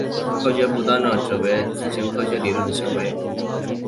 科学不端行为指的是在进行科学研究过程中违反基本学术伦理的行为。